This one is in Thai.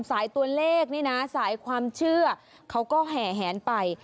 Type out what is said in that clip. สายตัวเลขนี่นะสายความเชื่อเขาก็แห่แหนไป